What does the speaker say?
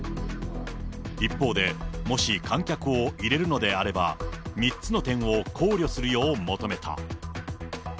一方で、もし観客を入れるのであれば、３つの点を考慮するよう求めた。